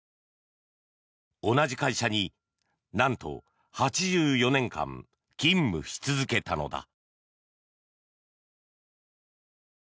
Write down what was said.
同じ会社に、なんと８４年間勤務し続けたのだ。